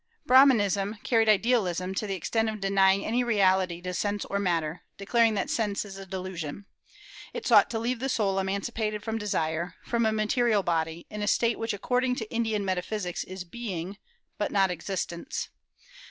Brahmanism carried idealism to the extent of denying any reality to sense or matter, declaring that sense is a delusion. It sought to leave the soul emancipated from desire, from a material body, in a state which according to Indian metaphysics is being, but not existence.